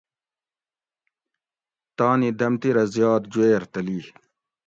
تانی دۤمتیرہ زیات جوئیر تلی